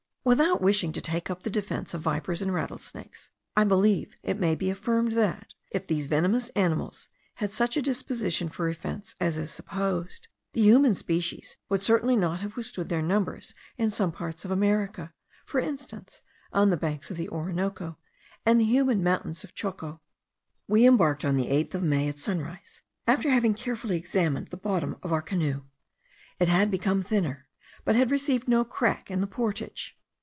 Without wishing to take up the defence of vipers and rattlesnakes, I believe it may be affirmed that, if these venomous animals had such a disposition for offence as is supposed, the human species would certainly not have withstood their numbers in some parts of America; for instance, on the banks of the Orinoco and the humid mountains of Choco. We embarked on the 8th of May at sunrise, after having carefully examined the bottom of our canoe. It had become thinner, but had received no crack in the portage.